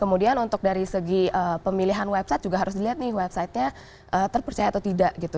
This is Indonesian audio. kemudian untuk dari segi pemilihan website juga harus dilihat nih websitenya terpercaya atau tidak gitu